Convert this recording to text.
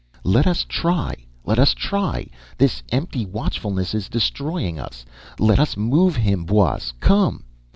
"Let us try. Let us try! This empty watchfulness is destroying us. Let us move him, Buos. Come!"